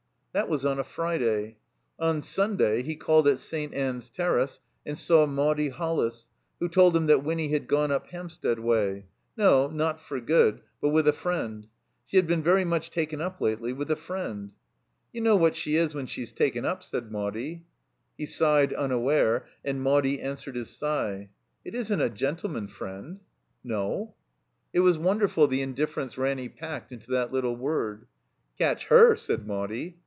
That was on a Friday. On Stmday he called at St. Ann's Terrace and saw Maudie HoUis, who told him that Winny had gone up Hampstead way. No, not for good, but with a friend. She had b«5n very much taken up lately with a friend. "You know what she is when she's taken up," said Maudie. He sighed unaware, and Maudie answered his sigh. It isn't a gentleman friend." "No?" It was wonderful the indifference Ranny packed into that little word. "Catch herr said Maudie.